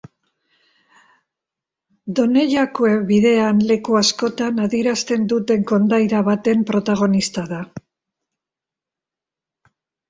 Donejakue bidean leku askotan adierazten duten kondaira baten protagonista da.